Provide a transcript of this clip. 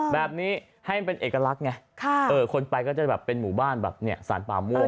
แบบนี้ให้มันเป็นเอกลักษณ์ไงคนไปก็จะเป็นหมู่บ้านสรรป่าม่วง